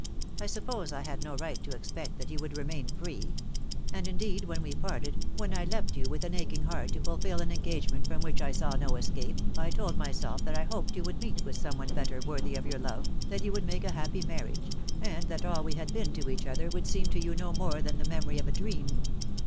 I suppose I had no right to expect that you would remain free; and indeed when we parted, when I left you with an aching heart to fulfil an engage ment from which I saw no escape, I told myself that I hoped you would meet with someone better worthy of your love, that you would make a happy marriage, and that all we had been to each other 246 DEAD LOVE HAS CHAINS. would seem to you no more than the memory of a dream.